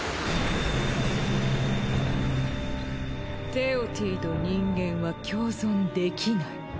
テオティと人間は共存できない。